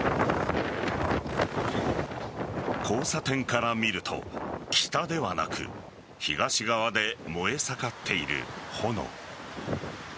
交差点から見ると北ではなく東側で燃え盛っている炎。